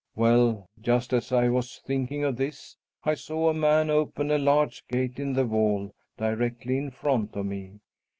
Well, just as I was thinking of this, I saw a man open a large gate in the wall directly in front of me.